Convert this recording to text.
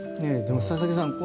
佐々木さん